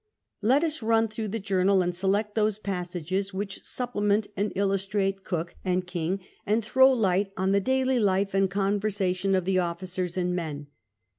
Let us run through the journal and select those passages which supplement and illustrate Cook and King, and throw light on the daily life and conversation of the officers and men.